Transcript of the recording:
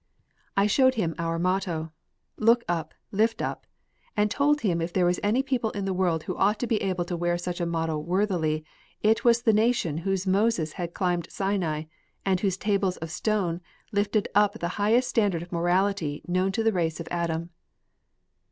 "I showed him our motto, 'Look up, lift up,' and told him if there was any people in the world who ought to be able to wear such a motto worthily, it was the nation whose Moses had climbed Sinai, and whose tables of stone lifted up the highest standard of morality known to the race of Adam."